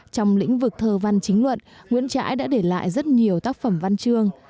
trong lĩnh vực thờ văn chính luận nguyễn trãi đã để lại rất nhiều tác phẩm văn trương